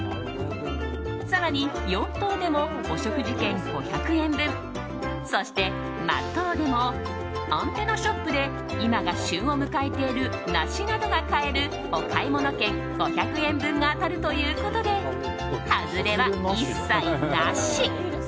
更に４等でもお食事券５００円分そして末等でもアンテナショップで今が旬を迎えている梨などが買えるお買物券５００円分が当たるということではずれは一切なし。